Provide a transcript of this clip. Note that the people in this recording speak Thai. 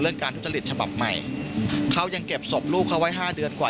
การทุจริตฉบับใหม่เขายังเก็บศพลูกเขาไว้ห้าเดือนกว่า